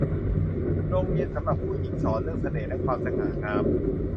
โรงเรียนสำหรับผู้หญิงสอนเรื่องเสน่ห์และความสง่างาม